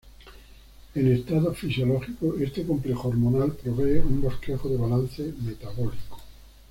En estados fisiológicos, este complejo hormonal provee un bosquejo de balance metabólico.